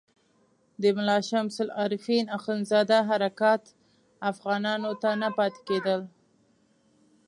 د ملا شمس العارفین اخندزاده حرکات افغانانو ته نه پاتې کېدل.